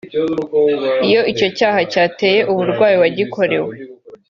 Iyo icyo cyaha cyateye uburwayi uwagikorewe